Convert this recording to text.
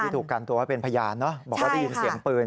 ถูกกันตัวไว้เป็นพยานบอกว่าได้ยินเสียงปืน